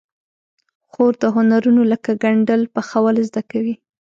خور د هنرونو لکه ګنډل، پخول زده کوي.